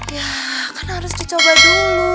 ya kan harus dicoba dulu